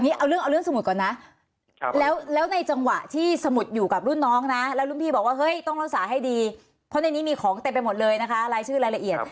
เอาเรื่องเอาเรื่องสมุดก่อนนะแล้วในจังหวะที่สมุดอยู่กับรุ่นน้องนะแล้วรุ่นพี่บอกว่าเฮ้ยต้องรักษาให้ดีเพราะในนี้มีของเต็มไปหมดเลยนะคะรายชื่อรายละเอียด